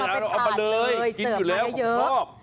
เอามาเป็นถาดเลยกินอยู่แล้วของครอบ